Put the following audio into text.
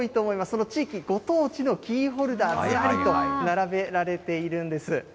その地域、ご当地のキーホルダー、ずらりと並べられているんです。